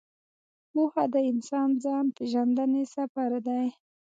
پوهه د انسان د ځان پېژندنې سفر دی.